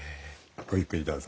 ごゆっくりどうぞ。